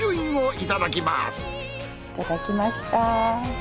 いただきました。